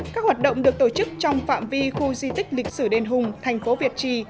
các hoạt động được tổ chức trong phạm vi khu di tích lịch sử đền hùng thành phố việt trì